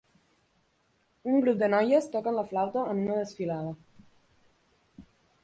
Un grup de noies toquen la flauta en una desfilada.